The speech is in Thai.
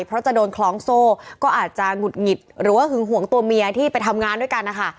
เพราะจะโดนคล้องโซ่ก็อาจจะหงุดหงิดหรือว่าหึงหวงตัวเมียที่ไปทำงานด้วยกันนะคะ